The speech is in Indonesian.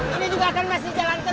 ini juga akan masih jalan terus